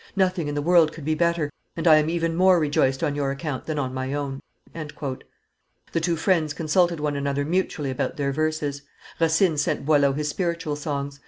Nothing in the world could be better, and I am even more rejoiced on your account than on my own." The two friends consulted one another mutually about their verses; Racine sent Boileau his spiritual songs.